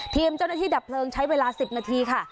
ทีมเจ้าหน้าที่ดับเพลิงใช้เวลา๑๐นาทีค่ะ